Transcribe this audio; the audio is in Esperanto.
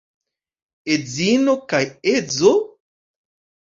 Edzino kaj edzo?